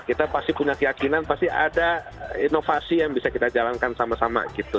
kita pasti punya keyakinan pasti ada inovasi yang bisa kita jalankan sama sama gitu